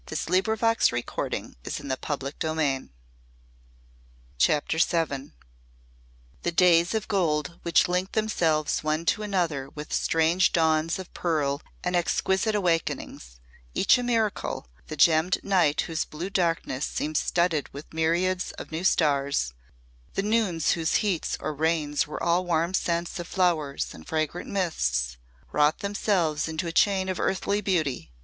So the tide rose to its high flowing. CHAPTER VII The days of gold which linked themselves one to another with strange dawns of pearl and exquisite awakenings, each a miracle, the gemmed night whose blue darkness seemed studded with myriads of new stars, the noons whose heats or rains were all warm scents of flowers and fragrant mists, wrought themselves into a chain of earthly beauty.